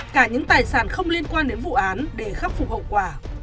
cả những tài sản không liên quan đến vụ án để khắc phục hậu quả